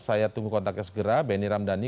saya tunggu kontaknya segera benny ramdhani